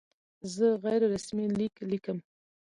زه غیر رسمي لیک لیکم.